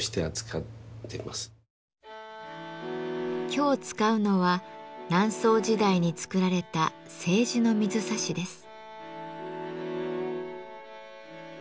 今日使うのは南宋時代に作られた青磁の水指です。